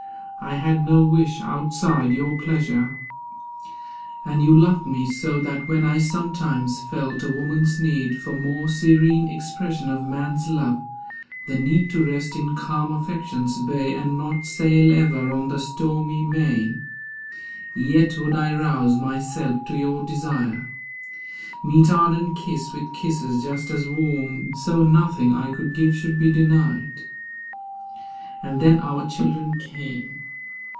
I had no wish Outside your pleasure; and you loved me so That when I sometimes felt a woman's need For more serene expression of man's love (The need to rest in calm affection's bay And not sail ever on the stormy main), Yet would I rouse myself to your desire; Meet ardent kiss with kisses just as warm; So nothing I could give should be denied. And then our children came.